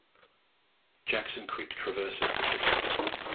Jackson Creek traverses the city.